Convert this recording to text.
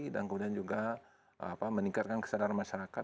kemudian juga meningkatkan kesadaran masyarakat